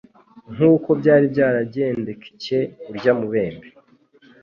Nk'uko byari byaragendekcye urya mubembe,